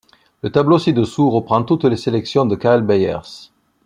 Le tableau ci-dessous reprend toutes les sélections de Karel Beyers.